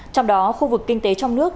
trong đó khu vực kinh tế trong nước